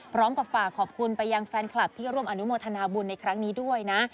พร้อมกับฝากขอบคุณไปยังแฟนคลับที่ร่วมอนุโมทนาบุญในครั้งนี้ด้วยนะ